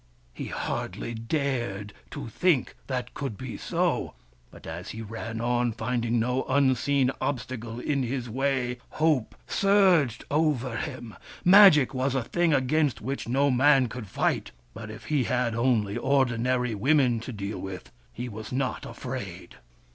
He hardly dared to think that could be so — but as he ran on, finding no unseen obstacle in his way, hope surged over him. Magic was a thing against which no man could fight. But if he had only ordinary women to deal with, he was not afraid.